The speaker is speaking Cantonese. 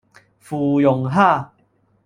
芙蓉蝦